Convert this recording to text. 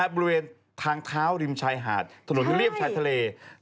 บริเวณทางเท้าริมชายหาดถนนเรียบชายทะเล